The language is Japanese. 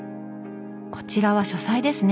こちらは書斎ですね。